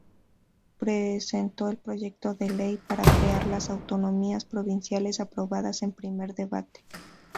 Presentó el Proyecto de Ley para crear las Autonomías Provinciales, aprobada en primer debate.